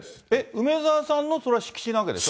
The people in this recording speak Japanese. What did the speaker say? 梅沢さんのそれは敷地なわけでしょ？